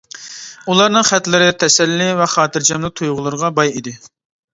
ئۇلارنىڭ خەتلىرى تەسەللى ۋە خاتىرجەملىك تۇيغۇلىرىغا باي ئىدى.